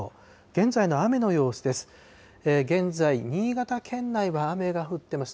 現在の雨の様子です。